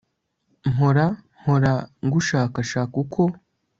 mpora) mpora ngushakashaka uko